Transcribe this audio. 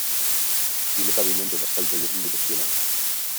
Tiene pavimento de asfalto y es bidireccional.